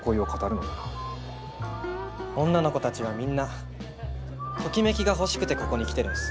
女の子たちはみんなときめきが欲しくてここに来てるんす。